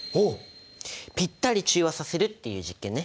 ぴったり中和させるっていう実験ね。